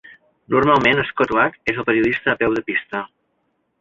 Normalment, Scott Oake és el periodista a peu de pista.